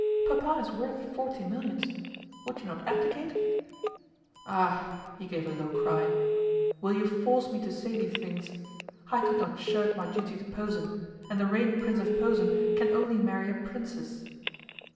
'Papa is worth forty millions. Would you not abdicate?' 'Ah!' he gave a low cry. 'Will you force me to say these things? I could not shirk my duty to Posen, and the reigning Prince of Posen can only marry a Princess.